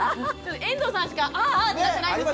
遠藤さんしかああってなってないんですけど。